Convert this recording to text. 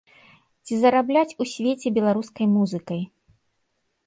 Ці зарабляць у свеце беларускай музыкай?